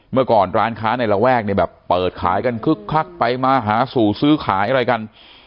เมื่อก่อนร้านค้าในระแวกเนี่ยแบบเปิดขายกันคึกคักไปมาหาสู่ซื้อขายอะไรกัน